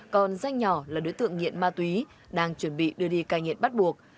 còn danh nhỏ là đối tượng nghiện ma túy đang chuẩn bị đưa đi cai nghiện bắt buộc